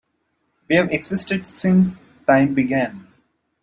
We've existed since time began.